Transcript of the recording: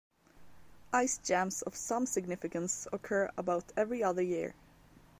Ice jams of some significance occur about every other year.